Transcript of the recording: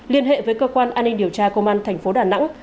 liên hệ với cơ quan an ninh điều tra công an thành phố đà nẵng